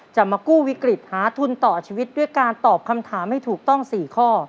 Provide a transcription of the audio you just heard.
จะมากู้วิกฤตหาทุนต่อชีวิตด้วยการตอบคำถามให้ถูกต้อง๔ข้อ